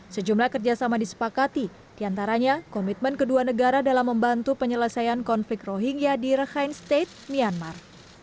sejumlah kerjasama disepakati diantaranya komitmen kedua negara dalam membantu penyelesaian konflik rohingya di rakhine state myanmar